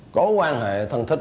có quan hệ thân thích